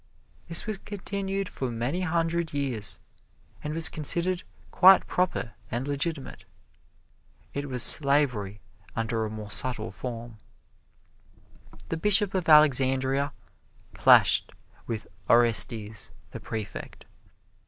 This was continued for many hundred years, and was considered quite proper and legitimate. It was slavery under a more subtle form. The Bishop of Alexandria clashed with Orestes the Prefect.